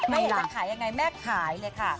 แม่จะขายยังไงแม่ขายเลยค่ะ